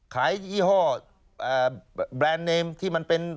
ยี่ห้อแบรนด์เนมที่มันเป็น